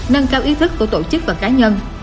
nâng cao ý thức của tổ chức và cá nhân